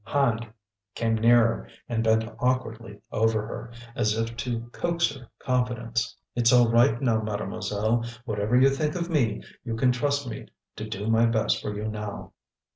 Hand came nearer and bent awkwardly over her, as if to coax her confidence. "It's all right now, Mademoiselle. Whatever you think of me, you can trust me to do my best for you now."